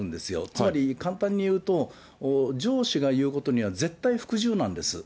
つまり、簡単に言うと、上司が言うことには絶対服従なんです。